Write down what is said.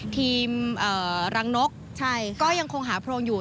ทีมรังนกก็ยังคงหาปล่องอยู่